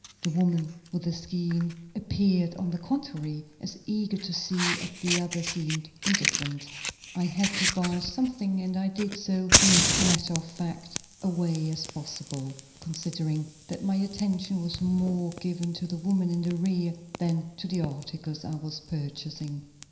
The woman with the skein appeared, on the contrary, as eager to see as the other seemed indifferent. I had to buy something and I did so in as matter of fact a way as possible, considering that my attention was more given to the woman in the rear than to the articles I was purchasing.